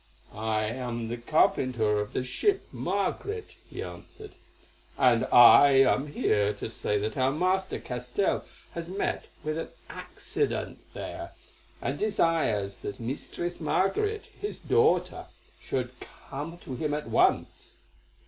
"I am the carpenter of the ship Margaret," he answered, "and I am here to say that our master Castell has met with an accident there, and desires that Mistress Margaret, his daughter, should come to him at once."